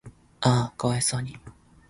嗚呼可哀想に